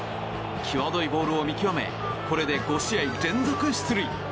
際どいボールを見極めこれで５試合連続出塁。